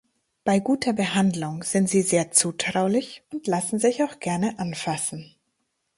Bei guter Behandlung sind sie sehr zutraulich und lassen sich auch gerne anfassen.